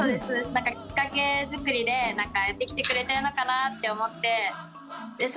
何かきっかけ作りでやってきてくれてるのかなって思ってそ